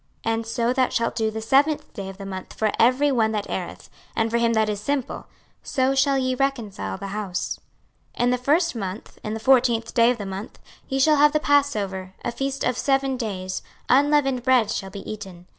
26:045:020 And so thou shalt do the seventh day of the month for every one that erreth, and for him that is simple: so shall ye reconcile the house. 26:045:021 In the first month, in the fourteenth day of the month, ye shall have the passover, a feast of seven days; unleavened bread shall be eaten.